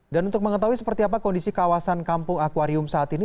dan untuk mengetahui seperti apa kondisi kawasan kampung akwarium saat ini